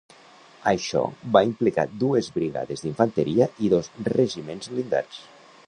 Això va implicar dues brigades d'infanteria i dos regiments blindats.